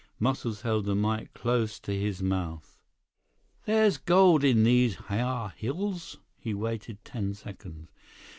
Muscles held the mike close to his mouth. "There's gold in these hyar hills...." He waited ten seconds.